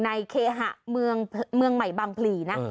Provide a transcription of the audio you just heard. เคหะเมืองใหม่บางพลีนะ